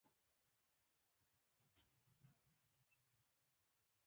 په یوه هېواد کې د ملي یووالي له منځه تلل ګډوډي رامنځته کوي.